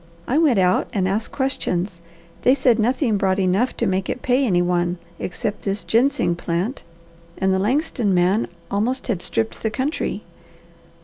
I went out and asked questions. They said nothing brought enough to make it pay any one, except this ginseng plant, and the Langston man almost had stripped the country.